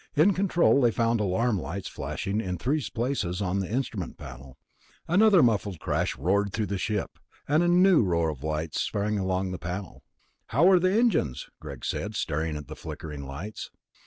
In control they found alarm lights flashing in three places on the instrument panel. Another muffled crash roared through the ship, and a new row of lights sprang on along the panel. "How are the engines?" Greg said, staring at the flickering lights.